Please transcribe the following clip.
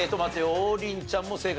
王林ちゃんも正解。